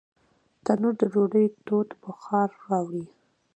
تنور د ډوډۍ تود بخار راوړي